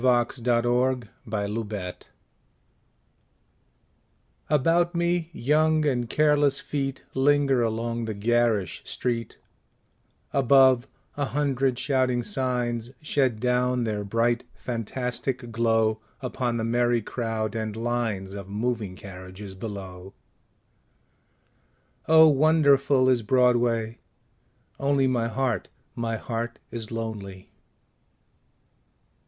Claude McKay On Broadway ABOUT me young and careless feet Linger along the garish street; Above, a hundred shouting signs Shed down their bright fantastic glow Upon the merry crowd and lines Of moving carriages below. Oh wonderful is Broadway only My heart, my heart is lonely.